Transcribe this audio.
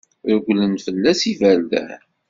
Reglen fell-as yiberdan.